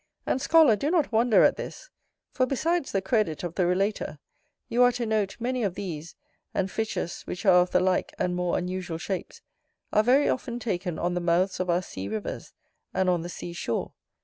And, scholar, do not wonder at this; for besides the credit of the relator, you are to note, many of these, and fishes which are of the like and more unusual shapes, are very often taken on the mouths of our sea rivers, and on the sea shore.